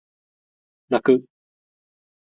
泣く